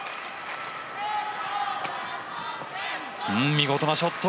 見事なショット！